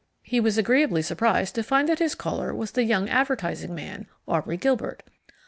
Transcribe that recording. He was agreeably surprised to find that his caller was the young advertising man, Aubrey Gilbert.